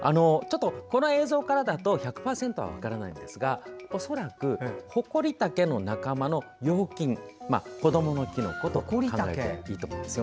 この映像からだと１００％は分からないんですが恐らく、ホコリタケの仲間の幼菌、子どものきのこと考えていいと思います。